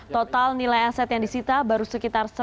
total nilai aset yang disita baru sekitar